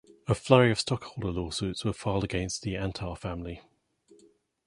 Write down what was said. A flurry of stockholder lawsuits were filed against the Antar family.